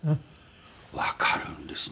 わかるんですね